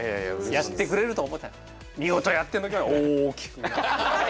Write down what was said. やってくれると思ったら見事やってのけて「大きくなった」。